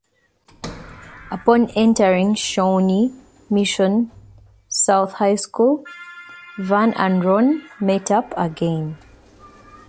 Upon entering Shawnee Mission South High School, Van and Ron met up again.